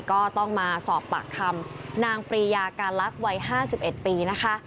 ก็ต้องมาสอบปากคำนางปรียาการลักษณ์วัย๕๑ปีนะคะ